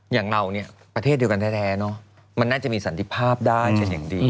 อย่างเราเนี่ยประเทศเดียวกันแท้เนอะมันน่าจะมีสันติภาพได้เป็นอย่างดี